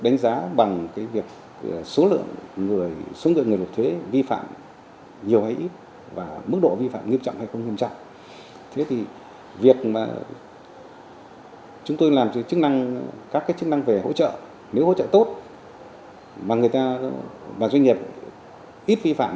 đặc biệt là chúng tôi làm các chức năng về hỗ trợ nếu hỗ trợ tốt và doanh nghiệp ít vi phạm